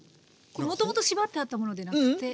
もともと縛ってあったものでなくて？